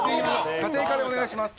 家庭科でお願いします。